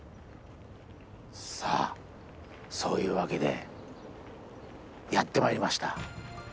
そういうわけでやってまいりました。